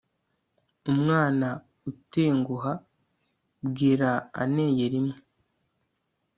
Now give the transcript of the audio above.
umwana utenguha bwira aneye rimwe